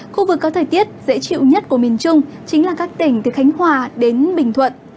khu vực có thời tiết dễ chịu nhất của miền trung chính là các tỉnh từ khánh hòa đến bình thuận